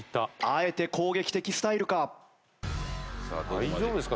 あえて攻撃的スタイルか？